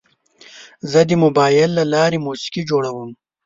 زه د موبایل له لارې موسیقي جوړوم.